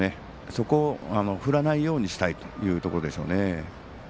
そこを振らないようにしたいというところでしょうね。